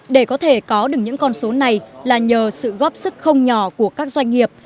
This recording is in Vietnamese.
để có thể có được những con số này là nhờ sự góp sức không nhỏ của các doanh nghiệp